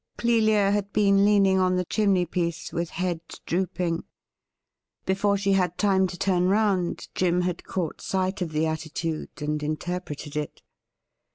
Clelia had been leaning on the chimney piece with head drooping. Before she had time to tui n round, Jim had caught sight of the attitude and interpreted it.